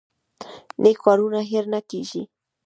نیک کارونه هیر نه کیږي